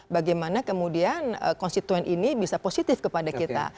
bagaimana kemudian konstituen ini bisa positif kepada kita